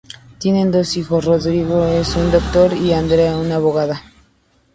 Tienen dos hijos: Rodrigo, es un doctor, y Andrea, una abogada.